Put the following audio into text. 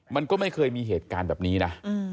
มันก็ไม่เคยมีเหตุการณ์แบบนี้นะ